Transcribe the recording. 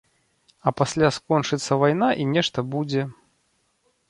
А пасля скончыцца вайна і нешта будзе.